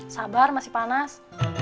sabar masih panas